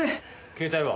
携帯は？